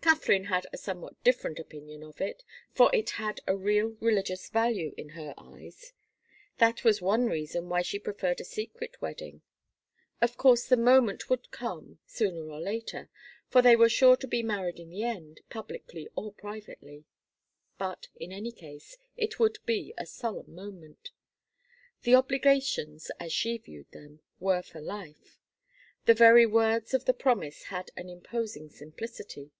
Katharine had a somewhat different opinion of it, for it had a real religious value in her eyes. That was one reason why she preferred a secret wedding. Of course, the moment would come, sooner or later, for they were sure to be married in the end, publicly or privately. But in any case it would be a solemn moment. The obligations, as she viewed them, were for life. The very words of the promise had an imposing simplicity.